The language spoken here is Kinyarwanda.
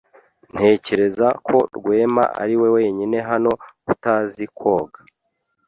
Ntekereza ko Rwema ariwe wenyine hano utazi koga.